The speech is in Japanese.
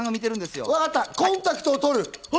コンタクトを取る！